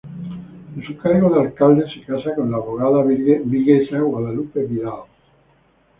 En su cargo de alcalde se casa con la abogada viguesa Guadalupe Vidal.